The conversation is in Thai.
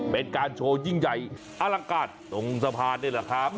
เป็นการโชว์ยิ่งใหญ่อลังการตรงสะพานนี่แหละครับ